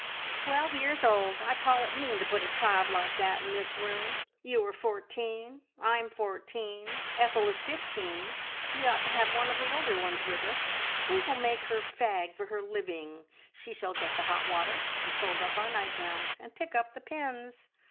"Twelve years old! I call it mean to put a child like that in this room! You are fourteen, I'm fourteen, Ethel is fifteen; we ought to have one of the older ones with us. We will make her fag for her living. She shall get the hot water, and fold up our nightgowns, and pick up the pins.